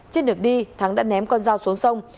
trên đường đi thắng đã ném con dao xuống sông